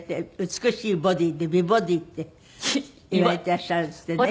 「美しいボディー」で美ボディーって言われていらっしゃるんですってね。